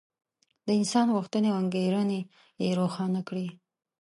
د انسان غوښتنې او انګېرنې یې روښانه کړې.